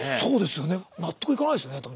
そうですよね納得いかないですよね